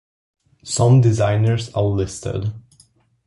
Some designers are listed.